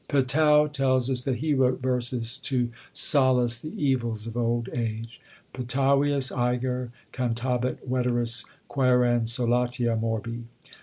Petau tells us that he wrote verses to solace the evils of old age Petavius æger Cantabat veteris quærens solatia morbi.